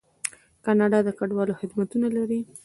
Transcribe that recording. کاناډا د کډوالو خدمتونه لري.